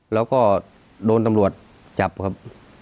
แล้วก็โดนตำรวจจับครับ